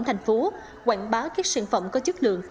tp hcm quảng bá các sản phẩm có chất lượng